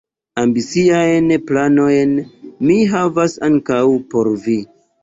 Ambiciajn planojn mi havas ankaŭ por vi.